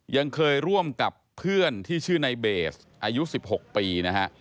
ยังเคยร่วมกับเพื่อนที่ชื่อในเบสอายุ๑๖ปีนะฮะ